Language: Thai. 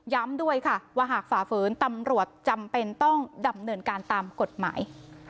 ด้วยค่ะว่าหากฝ่าฝืนตำรวจจำเป็นต้องดำเนินการตามกฎหมาย